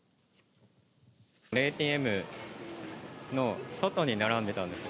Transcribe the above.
ＡＴＭの外に並んでたんですよ。